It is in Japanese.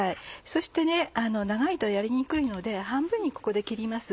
そして長いとやりにくいので半分にここで切ります。